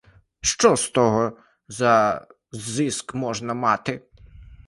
Що з того за зиск можна мати?